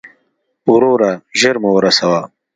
وروره، ژر مو ور ورسوه.